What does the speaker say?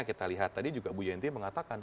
kita lihat tadi juga bu yenti mengatakan